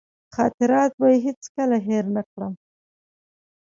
خاطرات به یې هېڅکله هېر نه کړم.